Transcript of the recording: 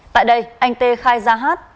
tại đây anh t khai ra h